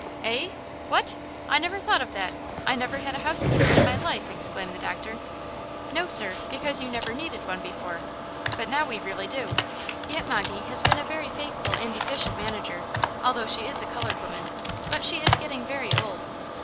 "Eh! What? I never thought of that! I never had a housekeeper in my life!" exclaimed the doctor. "No, sir; because you never needed one before, but now we really do. Aunt Moggy has been a very faithful and efficient manager, although she is a colored woman; but she is getting very old."